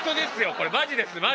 これマジですマジ！